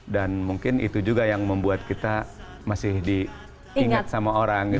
dan mungkin itu juga yang membuat kita masih diingat sama orang